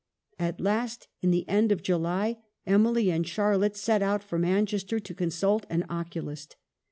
At last, in the end of July, Emily and Charlotte set out for Manchester to consult an oculist.